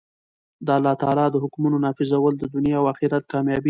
د الله تعالی د حکمونو نافذول د دؤنيا او آخرت کاميابي ده.